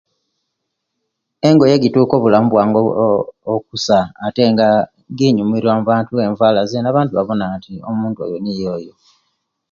Engoye ejituka obulamu bwange ooh okusa ate nga jinyumiruwa mubantu obwenzuwala zena abantu bawona nti omuntu oyo niye oyo